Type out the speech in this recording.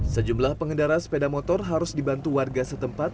sejumlah pengendara sepeda motor harus dibantu warga setempat